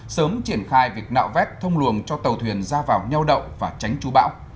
sớm triển khai việc nạo vét thông luồng cho tàu thuyền ra vào nhau động và tránh chú bão